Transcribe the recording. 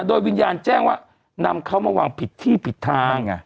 โดยวิญญาณแจ้งว่านำเขามาวางผิดที่ผิดทาง